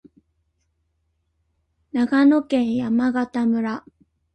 長野県山形村